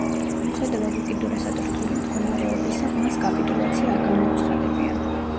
მიუხედავად უკიდურესად რთული მდგომარეობისა მას კაპიტულაცია არ გამოუცხადებია.